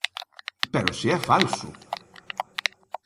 ¡Pero se é falso!